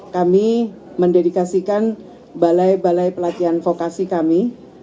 kami mendedikasikan balai balai pelatihan vokasi kami